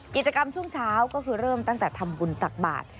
กิจกรรมช่วงเช้าก็คือเริ่มตั้งแต่ทำบุญตักบาท